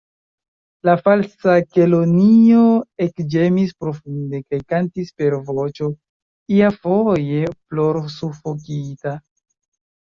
La Falsa Kelonio ekĝemis profunde, kaj kantis per voĉo iafoje plorsufokita.